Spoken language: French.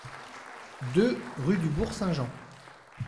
deux rue du Bourg Saint-Jean